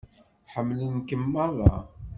Ḥemmlen-kem meṛṛa.